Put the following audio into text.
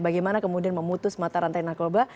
bagaimana kemudian memutus mata rantai narkoba